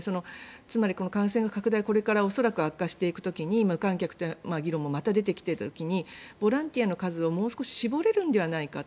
つまり、感染拡大がこれから恐らく悪化していく時に無観客という議論もまた出てきた時にボランティアの数をもう少し絞れるんではないかと。